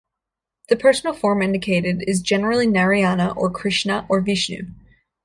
The personal form indicated is generally Narayana, or Krishna, or Vishnu.